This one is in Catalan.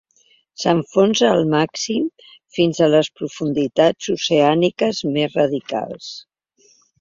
S'enfonsa al màxim fins a les profunditats oceàniques més radicals.